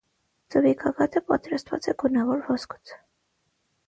Ձվի գագաթը պատրաստված է գունավոր ոսկուց։